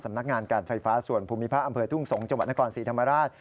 สำนักงานการไฟฟ้าส่วนภูมิภาคอำเภอทุ่งสงฆ์จนศรีธรรมราช